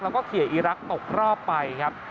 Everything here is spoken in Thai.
แล้วก็เขียอีรักษ์ตกรอบไปครับ